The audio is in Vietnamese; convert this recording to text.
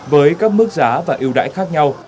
với các mức giá và ưu đãi khác nhau